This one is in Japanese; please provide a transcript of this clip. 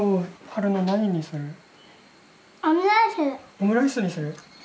オムライスにする？